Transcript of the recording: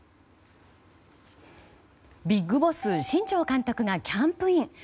ビッグボス新庄監督がキャンプイン。